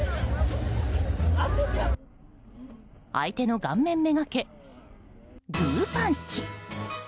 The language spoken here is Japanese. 相手の顔面めがけ、グーパンチ！